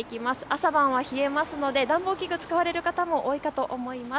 朝晩は冷えますので暖房器具使われる方も多いかと思います。